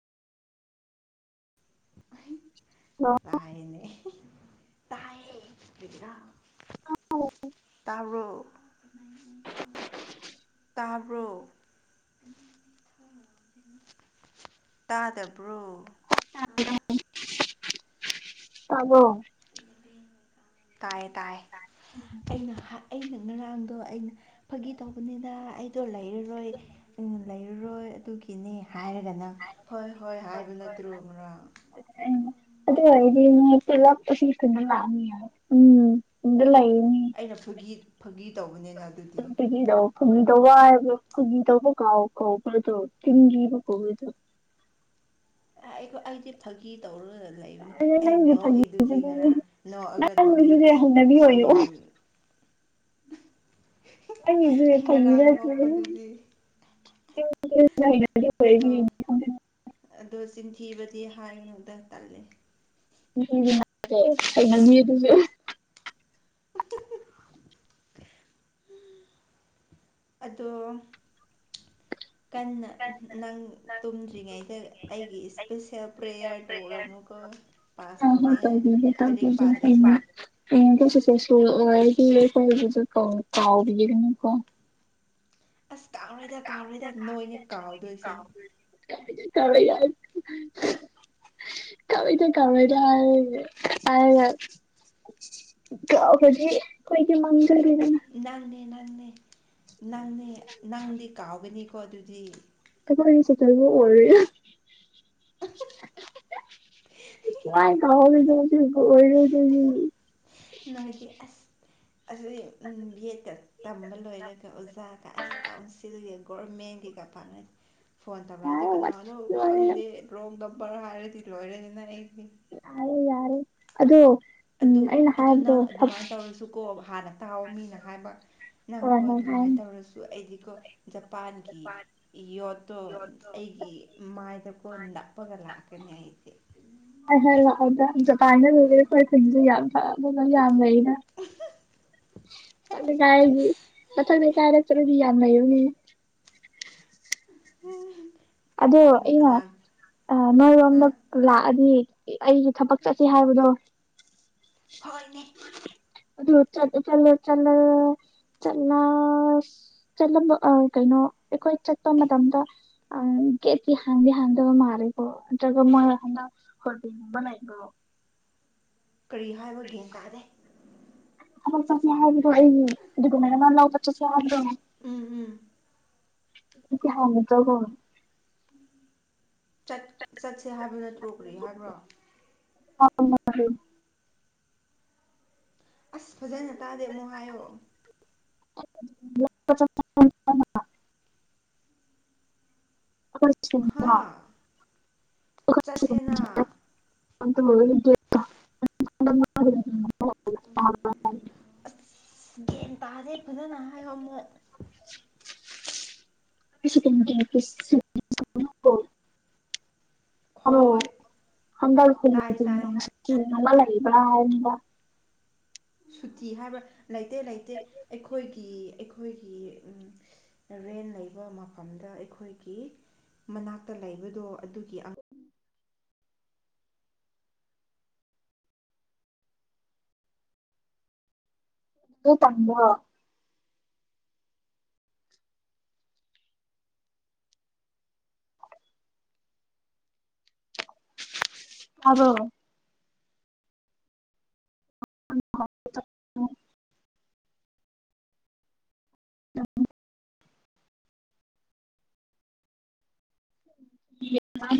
Hello ꯇꯥꯏꯅꯦ ꯍꯦꯍꯦ ꯇꯥꯢꯌꯦ ꯀꯔꯤꯒꯤꯔ ꯇꯥꯕꯔꯣ ꯇꯕꯔꯣ꯫ ꯇꯥꯗꯕ꯭ꯔꯣ ꯇꯕꯔꯣ꯫ ꯇꯥꯏꯌꯦ ꯇꯥꯏꯌꯦ ꯎꯝ ꯀꯩꯅꯣ ꯍꯥ ꯑꯩꯅ ꯉꯔꯥꯡꯗꯣ ꯑꯩꯅ ꯐꯥꯒꯤ ꯇꯧꯕꯅꯤꯅ ꯑꯩꯗꯣ ꯂꯩꯔꯔꯣꯏ ꯎꯝ ꯂꯩꯔꯔꯣꯏ ꯑꯗꯨꯒꯤꯅꯦ ꯍꯥꯏꯔꯒꯅ ꯍꯣꯏ ꯍꯣꯏ ꯍꯥꯏꯕ ꯅꯠꯇ꯭ꯔꯣ ꯉꯥꯔꯥꯡ [inaudible] ꯑꯗꯨ ꯑꯣꯢꯔꯗꯤ ꯃꯤ ꯄꯨꯂꯞ ꯑꯁꯤ ꯈꯨꯟꯗ ꯂꯥꯛꯑꯅꯤ ꯍꯥꯢ ꯎꯝ ꯈꯨꯟꯗ ꯂꯩꯅꯤ ꯑꯩꯅ ꯐꯥꯒꯤ ꯐꯥꯒꯤ ꯇꯧꯕꯅꯤꯅ ꯑꯗꯨꯗꯤ [unintelligible] ꯐꯥꯒꯤꯗꯧꯕ ꯍꯥꯏꯕꯔꯣ ꯐꯥꯒꯤꯗꯧꯕ ꯀꯥꯎ ꯀꯥꯎꯕꯔꯥ ꯗꯣ ꯆꯤꯟꯊꯤꯕ ꯀꯧꯢꯗꯣ ꯑ ꯑꯣ ꯑꯩꯗꯤ ꯐꯥꯒꯤ ꯇꯧꯔꯒ ꯂꯩꯕꯅꯦ ꯑꯗꯨ ꯑꯩ ꯅꯪꯒꯤ ꯅꯣꯛꯏꯗꯨꯗꯤ ꯐꯥꯒꯤꯁꯤꯗꯤ ꯉꯔꯥꯡ ꯅꯣꯛꯑꯒ ꯅꯪꯗꯤ ꯅꯪꯒꯤꯁꯤꯗꯤ ꯍꯩꯅꯕꯤ ꯑꯁ ꯑꯣꯏꯔꯛꯑꯣ ꯌꯥꯝ [inaudible] ꯑꯩ ꯉꯔꯥꯡ ꯅꯣꯛꯄꯗꯨꯗꯤ ꯐꯝ ꯑꯗꯣ ꯑꯗꯣ ꯆꯤꯟ ꯊꯤꯕꯗꯤ ꯍꯥꯏꯅꯣꯗ ꯇꯜꯂꯦ ꯎ ꯑꯩ ꯉꯪꯅꯤ ꯑꯗꯨꯁꯨ [inaudible] ꯑꯗꯣ ꯀꯟꯅ ꯅꯪ ꯇꯨꯝꯗ꯭ꯔꯤꯉꯩꯗ ꯑꯩꯒꯤ ꯏꯁꯄꯤꯁꯦꯜ ꯄ꯭ꯔꯦꯌꯥꯔ ꯇꯧꯔꯝꯃꯨꯀꯣ ꯄꯥꯛꯁ ꯍꯣꯏ ꯍꯣꯏ ꯇꯧꯅꯤꯡꯉꯥꯏ ꯂꯥꯏꯔꯤꯛ ꯄꯗꯔ꯭ꯁꯨ ꯑꯦ ꯀꯩ ꯁꯔꯗꯤ ꯂꯩꯈꯣꯏꯁꯨ ꯀꯥꯎꯕꯤꯔꯅꯀꯣ ꯑꯁ ꯀꯥꯎꯔꯣꯏꯗ ꯀꯥꯎꯔꯣꯏꯗ ꯅꯣꯏꯅꯦ ꯀꯥꯎꯗꯣꯏꯁꯦ ꯀꯔ ꯌꯥꯗ ꯀꯥꯎꯔꯣꯏꯗ ꯀꯥꯎꯔꯣꯏꯗ ꯍꯥꯏꯔꯒꯥ ꯍꯥꯏꯔꯒꯥ ꯀꯥꯎꯔꯥꯗꯤ ꯑꯩꯈꯣꯏꯗꯤ ꯃꯡꯖꯔꯦ ꯅꯪꯅꯦ ꯅꯪꯅꯦ ꯅꯪꯅꯦ ꯅꯪꯗꯤ ꯀꯥꯎꯒꯅꯤꯀꯣ ꯑꯗꯨꯗꯤ ꯑꯣ ꯆ ꯆꯕꯨ ꯑꯣꯏꯔꯦ ꯉꯥꯏ ꯀꯍ ꯆꯁꯤ ꯀ ꯅꯣꯏꯗꯤ ꯑꯁ ꯑꯁꯤ ꯕꯤ ꯑꯦꯠꯇ ꯇꯝꯕ ꯂꯣꯏꯔꯒ ꯑꯣꯖꯥꯒ ꯑꯁ ꯀꯥꯎ ꯁꯤꯒꯤ ꯒꯣꯔꯃꯦꯟꯒꯤ ꯀꯥ ꯐꯥꯅꯦ [inaudible] ꯐꯣꯟ ꯇꯧꯔꯛꯑꯗꯤ ꯌꯥꯔꯦ ꯀꯅꯥꯅꯣ ꯋꯥꯊꯤ ꯋꯥꯔꯦꯝ ꯈꯪꯗꯦ ꯔꯣꯡ ꯅꯝꯕꯔ ꯍꯥꯏꯔꯗꯤ ꯂꯣꯏꯔꯦꯗꯅ ꯑꯩꯗꯤ ꯌꯥꯔꯦ ꯌꯥꯔꯦ ꯑꯗꯣ ꯎꯝ ꯑꯗꯨ ꯑꯩꯅ ꯑꯗꯨ ꯍꯥꯏꯕꯗꯣ ꯅꯪ ꯑꯗꯨꯃꯥꯏꯅ ꯇꯧꯔꯁꯨ ꯀꯣ ꯍꯥꯟꯅ ꯇꯥꯎꯑꯣ ꯃꯤꯅ ꯍꯥꯏꯕ ꯅꯪꯀꯣ ꯍꯣꯏ ꯑꯗꯨꯃꯥꯏꯅ ꯇꯧꯔꯁꯨ ꯑꯩꯗꯤꯀꯣ ꯖꯄꯥꯟꯒꯤ ꯌꯣꯠꯇꯣ ꯑꯩꯒꯤ ꯃꯥꯏꯗꯀꯣ ꯅꯞꯄꯒ ꯂꯥꯛꯀꯅꯤ ꯑꯩꯗꯤ ꯍ ꯍꯥꯏ ꯂꯥꯛꯑꯣꯗ ꯖꯄꯥꯟꯗ ꯂꯣꯏꯔꯦ ꯑꯩꯣꯏ ꯈꯨꯟꯁꯨ ꯌꯥꯝ ꯐꯅ ꯌꯥꯝ ꯂꯩꯌꯦ [inaudible] ꯃꯊꯪ ꯀꯩꯀꯥꯏꯔꯁꯤ ꯃꯊꯪ ꯀ ꯀꯥꯏꯔꯛꯇ꯭ꯔꯗꯤ ꯌꯥꯝ ꯂꯩꯩꯕꯥꯅꯦ ꯎꯝ ꯑꯗꯣ ꯑꯩꯅꯥ ꯅꯣꯏ ꯍꯥ ꯔꯣꯝꯗꯥ ꯂꯥꯛꯑꯗꯤ ꯑꯩꯒꯤ ꯊꯕꯛ ꯆꯠꯁꯦ ꯍꯥꯏꯕꯗꯣ ꯍꯣꯏꯅꯦ ꯂꯣꯆ ꯆ ꯂꯣꯆꯅ ꯆꯅꯥ ꯆꯠꯂꯝꯕ ꯑꯥ ꯀꯩꯅꯣ ꯑꯩꯈꯣꯏ ꯆꯠꯄ ꯃꯇꯝꯗ ꯑꯪ ꯒ‌ꯦꯠꯇꯤ ꯍꯥꯡꯗꯤ ꯍꯥꯡꯗꯕ ꯃꯥꯜꯂ‌ꯦꯀ‌ꯣ ꯅꯠꯇ꯭ꯔꯒ ꯃ‌ꯣꯏ ꯍꯟꯗꯛ [inaudible] ꯂꯩꯕ꯭ꯔ‌ꯣ ꯀꯔꯤ ꯍꯥꯏꯕ ꯒ꯭ꯌꯥꯟ ꯇꯥꯗꯦ ꯊꯕꯛ ꯆꯠꯁ‌ꯦ ꯍꯥꯏꯕꯗ‌ꯣ ꯑꯩꯒꯤ ꯗ‌ꯣꯀꯨꯃ‌ꯦꯟ ꯑꯃ ꯂꯧꯕ ꯆꯠꯁꯦ ꯍꯥꯏꯕꯗꯣ ꯎꯝ ꯎꯝ [inaudible] ꯆꯠ ꯆꯠꯁꯦ ꯍꯥꯏꯕ ꯅꯠꯇ꯭ꯔꯣ ꯀꯔꯤ ꯍꯥꯏꯕ꯭ꯔꯥ [unintelligible] ꯑꯁ ꯐꯖꯅ ꯇꯥꯗꯦ ꯑꯃꯨꯛ ꯍꯥꯏꯌꯣ [inaudible] ꯍꯥ ꯆꯠꯁꯦꯅ [inaudible] [inaudible] ꯒꯌ꯭ꯥꯟ ꯇꯥꯥꯗꯦ ꯐꯖꯅ ꯍꯥꯏꯌꯣ ꯑꯃꯨꯛ [inaudible] [inaudible] ꯑꯃꯣ ꯍꯣꯏ ꯍꯗꯔ ꯐ ꯇꯥꯏ ꯇꯥꯏ ꯂꯩ ꯏꯕ꯭ꯔ ꯁꯨꯇꯤ ꯍꯥꯏꯕ꯭ꯔꯥ ꯂꯩꯇꯦ ꯂꯩꯇꯦ ꯑꯩꯈꯣꯏꯒꯤ ꯑꯩꯈꯣꯏꯒꯤ ꯔꯦꯟ ꯂꯩꯕ ꯃꯐꯝꯗ ꯑꯩꯈꯣꯏꯒꯤ ꯃꯅꯥꯛꯇ ꯂꯩꯕꯗꯣ ꯑꯗꯨꯒꯤ ꯑꯥ ꯑꯗꯨ ꯇꯝꯕ ꯇꯥꯕ꯭ꯔ‌ꯣ [inaudible] [unintelligible] [inaudible]